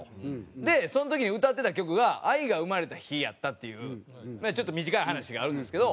でその時に歌ってた曲が『愛が生まれた日』やったっていうちょっと短い話があるんですけど。